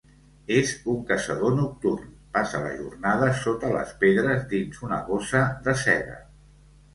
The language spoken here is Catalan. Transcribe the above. És un caçador nocturn; passa la jornada sota les pedres dins una bossa de seda.